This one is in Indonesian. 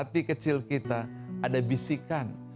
hati kecil kita ada bisikan